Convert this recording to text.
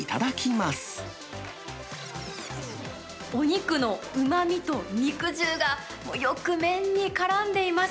お肉のうまみと肉汁が、よく麺にからんでいます。